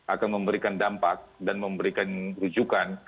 akan memberikan dampak dan memberikan rujukan